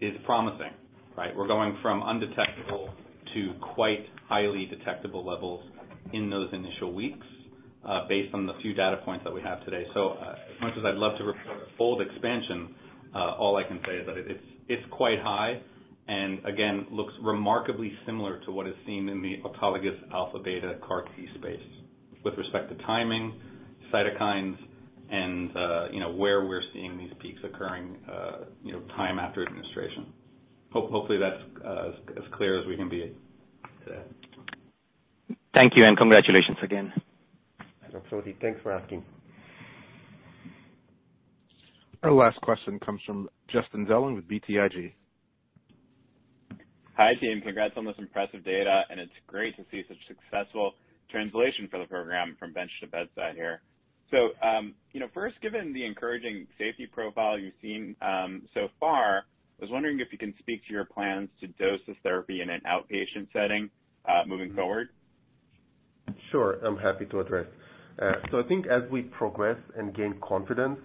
is promising, right? We're going from undetectable to quite highly detectable levels in those initial weeks, based on the few data points that we have today. As much as I'd love to report a fold expansion, all I can say is that it's quite high and again, looks remarkably similar to what is seen in the autologous alpha beta CAR T space with respect to timing, cytokines and where we're seeing these peaks occurring time after administration. Hopefully that's as clear as we can be. Thank you and congratulations again. Absolutely. Thanks for asking. Our last question comes from Justin Zelin with BTIG. Hi, team. Congrats on this impressive data, and it's great to see such successful translation for the program from bench to bedside here. You know, first, given the encouraging safety profile you've seen so far, I was wondering if you can speak to your plans to dose this therapy in an outpatient setting moving forward. Sure. I'm happy to address. I think as we progress and gain confidence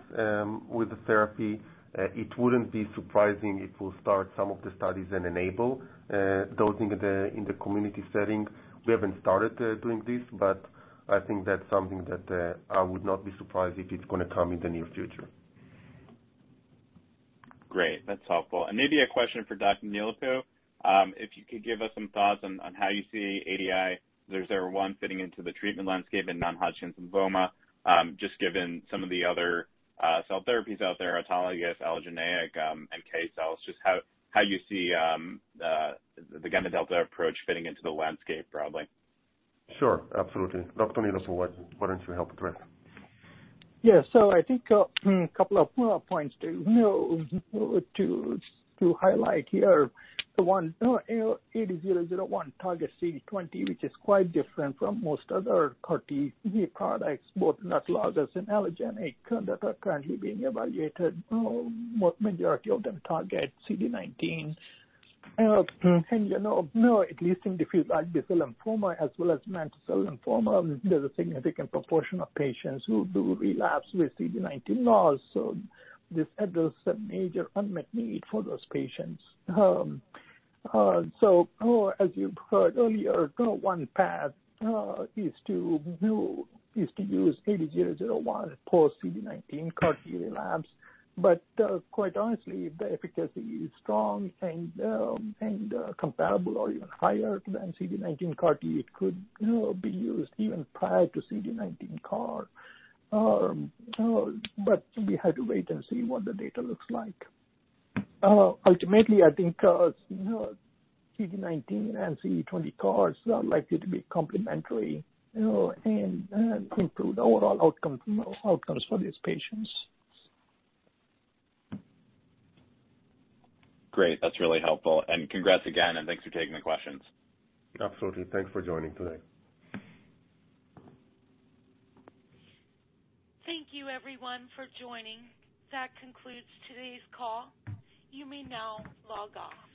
with the therapy, it wouldn't be surprising it will start some of the studies and enable dosing in the community setting. We haven't started doing this, but I think that's something that I would not be surprised if it's gonna come in the near future. Great. That's helpful. Maybe a question for Dr. Neelapu. If you could give us some thoughts on how you see ADI-001 fitting into the treatment landscape in non-Hodgkin lymphoma, just given some of the other cell therapies out there, autologous, allogeneic, and NK cells, just how you see the gamma delta approach fitting into the landscape, probably. Sure, absolutely. Dr. Neelapu, why don't you help address? Yeah. I think a couple of points to you know highlight here. The one, ADI-001 targets CD20, which is quite different from most other CAR T products, both autologous and allogeneic, that are currently being evaluated. Majority of them target CD19. And at least in diffuse large B-cell lymphoma as well as mantle cell lymphoma, there's a significant proportion of patients who do relapse with CD19 loss. This addresses a major unmet need for those patients. As you've heard earlier, one path is to use ADI-001 post CD19 CAR T relapse. Quite honestly, if the efficacy is strong and comparable or even higher than CD19 CAR T, it could, you know, be used even prior to CD19 CAR. We had to wait and see what the data looks like. Ultimately I think, you know, CD19 and CD20 CARs are likely to be complementary and improve overall outcomes for these patients. Great. That's really helpful. Congrats again and thanks for taking the questions. Absolutely. Thanks for joining today. Thank you everyone for joining. That concludes today's call. You may now log off.